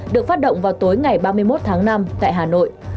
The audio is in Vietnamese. được phát động vào tối ngày ba mươi một tháng năm tại hà nội